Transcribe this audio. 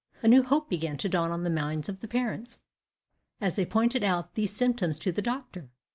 A new hope began to dawn on the minds of the parents, as they pointed out these symptoms to the doctor.